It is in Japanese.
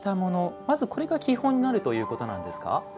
まずこれが基本になるということなんですか？